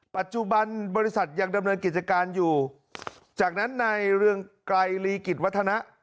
ปัจจุบันบริษัทยังดำเนินกิจการอยู่จากนั้นในเรืองไกรลีกิจวัฒนะ